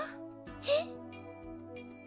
えっ？